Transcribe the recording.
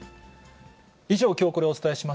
以上、きょうコレをお伝えし